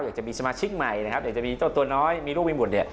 อยากจะมีสมาชิกใหม่นะครับอยากจะมีเจ้าตัวน้อยมีลูกมีบุตรเนี่ย